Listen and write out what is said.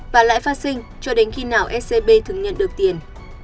và lại phát sinh cho đến khi nào scb thứng nhận được tiền